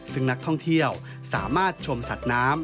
ซึ่งนักท่องเที่ยวสามารถชมสัตว์น้ำ